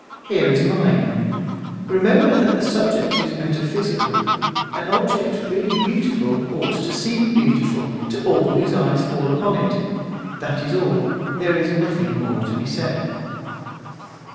Here is mine. Remember that the subject is metaphysical. An object really beautiful ought to seem beautiful to all whose eyes fall upon it. That is all; there is nothing more to be said.